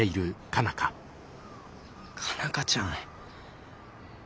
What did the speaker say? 佳奈花ちゃん。